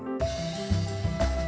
yang berdasarkan pada hubungan kekerabatan